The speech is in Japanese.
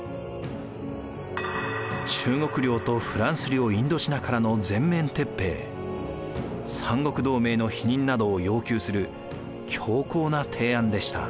中国領とフランス領インドシナからの全面撤兵三国同盟の否認などを要求する強硬な提案でした。